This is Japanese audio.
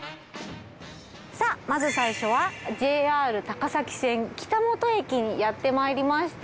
さあまず最初はＪＲ高崎線北本駅にやってまいりました。